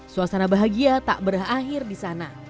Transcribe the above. suasana bahagia tak berakhir di sana